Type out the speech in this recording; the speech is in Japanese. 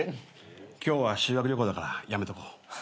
今日は修学旅行だからやめとこう。